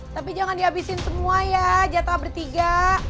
tapi jangan di abisin semua ya jatah bertiga